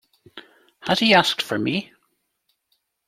Has he asked for me?